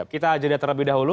kita aja datang lebih dahulu